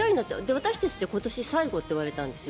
私たちで今年最後って言われたんですよ。